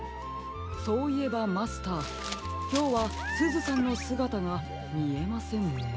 そういえばマスターきょうはすずさんのすがたがみえませんね。